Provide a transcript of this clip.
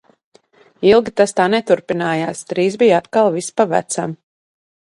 Ilgi tas tā neturpinājās, drīz bija atkal viss pa vecam.